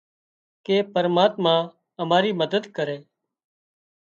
ڪي پرماتما امارِي مدد ڪري۔